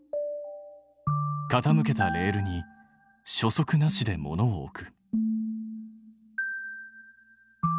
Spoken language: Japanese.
傾けたレールに初速なしで物を置く。